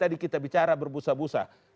tadi kita bicara berbusa busa